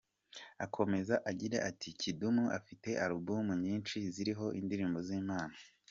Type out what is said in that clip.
Akomeza agira ati “Kidumu afite album nyinshi ziriho indirimbo z’Imana.